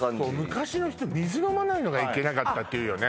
昔の人水飲まないのがいけなかったっていうよね